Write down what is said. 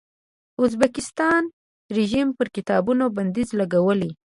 ازبکستان رژیم پر کتابونو بندیز لګولی.